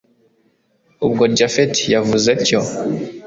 ubwo japhet yavuze atyo